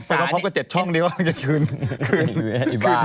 ส้มพวกแห่งภูโลวะ